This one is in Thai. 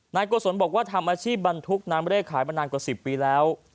นายกวสลบอกว่าทำอาชีพบรรทุกน้ำไม่ได้ขายมานานกว่าสิบปีแล้ว